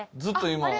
ずっと今。